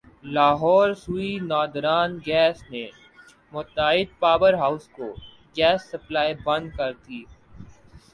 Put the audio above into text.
Lahore Sui northern gas نے متعدد power houses کو گیس سپلائی بند کر دی